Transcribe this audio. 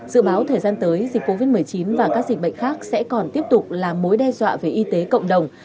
dự báo thời gian tới dịch covid một mươi chín và các dịch bệnh khác sẽ còn tiếp tục là mối đe dọa về y tế cộng đồng